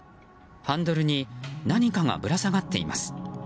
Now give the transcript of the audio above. ハンドルに何かがぶら下がっています。